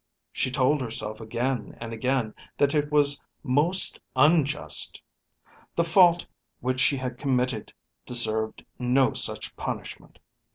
She told herself again and again that it was most unjust. The fault which she had committed deserved no such punishment.